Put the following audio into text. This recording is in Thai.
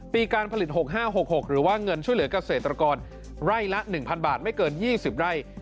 ปีการผลิต๖๕๖๖หรือว่าเงินช่วยเหลือกเกษตรกรไร่ละ๑๐๐บาทไม่เกิน๒๐ไร่